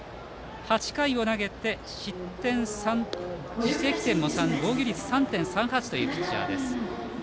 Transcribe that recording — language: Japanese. ８回を投げて失点３、自責点も３防御率３．３８というピッチャーです。